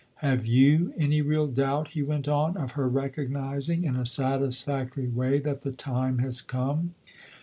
Have you any real doubt," he went on, " of her recognising in a satisfactory way that the time has come